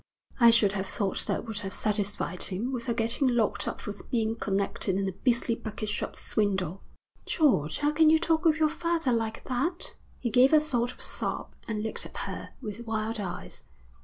I should have thought that would have satisfied him, without getting locked up for being connected in a beastly bucketshop swindle.' 'George, how can you talk of your father like that!' He gave a sort of sob and looked at her with wild eyes.